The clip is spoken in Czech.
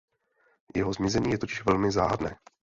Jeho zmizení je totiž velmi záhadné.